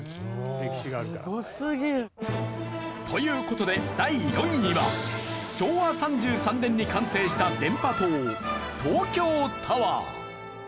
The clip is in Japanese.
という事で第４位は昭和３３年に完成した電波塔東京タワー。